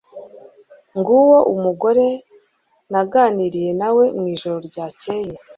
nguwo mugore naganiriye nawe mwijoro ryakeye